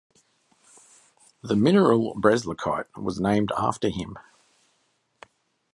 The mineral Breislakite was named after him.